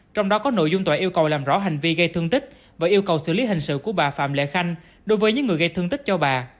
trong đó có nội dung tòa yêu cầu làm rõ hành vi gây thương tích và yêu cầu xử lý hình sự của bà phạm lệ khanh đối với những người gây thương tích cho bà